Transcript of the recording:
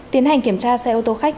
tiến hành kiểm tra xe ô tô khách